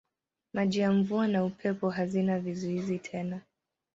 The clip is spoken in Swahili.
Maji ya mvua na upepo hazina vizuizi tena.